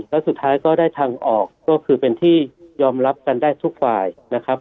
แล้วสุดท้ายก็ได้ทางออกก็คือเป็นที่ยอมรับกันได้ทุกฝ่ายนะครับ